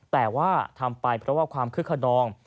แต่ว่าทำไปเพราะว่าความคึกขนอง